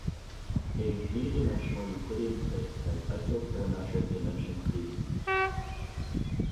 A "d"-dimensional Euclidean space has isoperimetric dimension "d".